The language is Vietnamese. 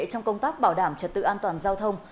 trong công tác bảo đảm trật tự an toàn giao thông